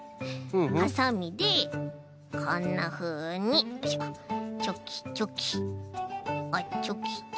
はさみでこんなふうにチョキチョキあっチョキチョキ。